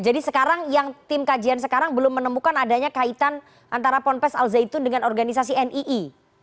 jadi sekarang yang tim kajian sekarang belum menemukan adanya kaitan antara pondok pesantren al zaitun dengan organisasi nii